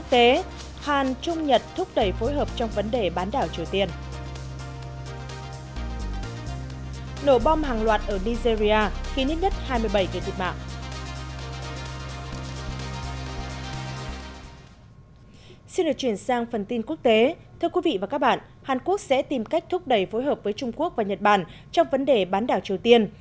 trong phần tin quốc tế hàn trung nhật thúc đẩy phối hợp trong vấn đề bán đảo triều tiên